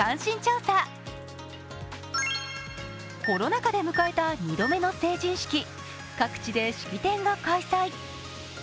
コロナ禍で迎えた２度目の成人式各地で式典が開催。